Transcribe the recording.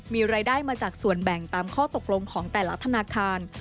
มีรายได้มาจากส่วนแบ่งตามข้อตกลงของแต่ละธนาคาร